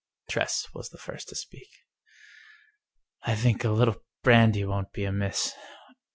Tress was the first to speak. " I think a little brandy won't be amiss."